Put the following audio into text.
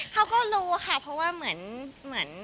เขาก็รู้ค่ะเพราะว่าเหมือน